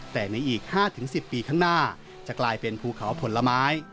แต่ในอีก๕๑๐ปีข้างหน้าจะกลายเป็นภูเขาผลไม้